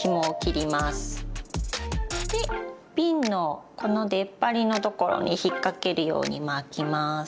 瓶のこの出っ張りのところに引っ掛けるように巻きます。